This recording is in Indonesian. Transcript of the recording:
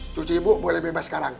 cuci ibu boleh bebas sekarang